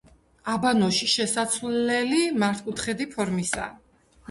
აბანოში შესასვლელი მართკუთხედი ფორმისაა.